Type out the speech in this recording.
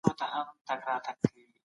خوب د بدن دفاعي سیستم پیاوړی کوي.